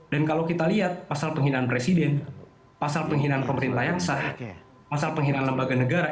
dan kalau kita lihat pasal penghinaan presiden pasal penghinaan pemerintah yang sah pasal penghinaan lembaga negara